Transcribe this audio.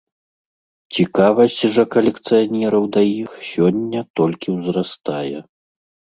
Цікавасць жа калекцыянераў да іх сёння толькі ўзрастае.